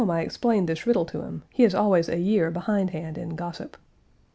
Going home I explained this riddle to him; he is always a year behindhand in gossip.